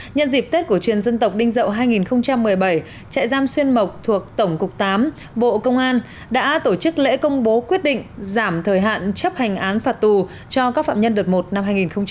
nhân dịp tết cổ truyền dân tộc đinh dậu hai nghìn một mươi bảy trại giam xuyên mộc thuộc tổng cục tám bộ công an đã tổ chức lễ công bố quyết định giảm thời hạn chấp hành án phạt tù cho các phạm nhân đợt một năm hai nghìn một mươi tám